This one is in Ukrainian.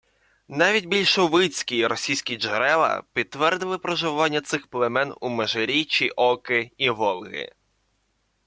Навіть більшовицькі російські джерела підтвердили проживання цих племен у межиріччі Оки і Волги